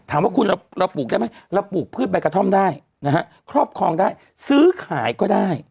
ถามว่าคุณเราปลูกได้ไหมเราปลูกพืชใบกระท่อมได้นะฮะครอบครองได้ซื้อขายก็ได้